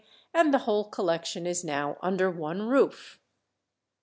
and the whole collection is now under one roof.